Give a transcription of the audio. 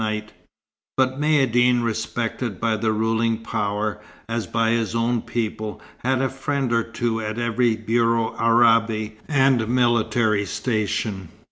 But Maïeddine, respected by the ruling power, as by his own people, had a friend or two at every Bureau Arabe and military station.